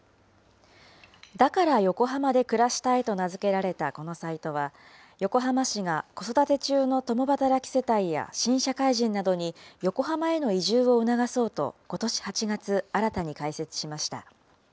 だから横浜で暮らしたいと名付けられたこのサイトは、横浜市が子育て中の共働き世帯や新社会人などに、横浜への移住を促そうと、ことし８月、新たに開設しました。